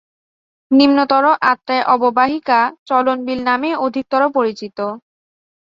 নিম্নতর আত্রাই অববাহিকা চলন বিল নামেই অধিকতর পরিচিত।